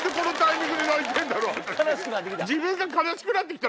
悲しくなって来た？